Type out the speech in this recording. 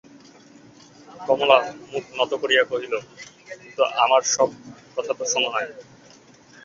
কমলা মুখ নত করিয়া কহিল, কিন্তু আমার সব কথা তো শোন নাই।